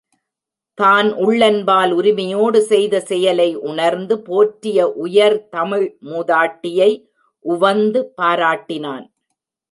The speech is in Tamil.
தான் உள்ளன்பால் உரிமையோடு செய்த செயலை உணர்ந்து போற்றிய உயர்தமிழ் மூதாட்டியை உவந்து பாராட்டினான்.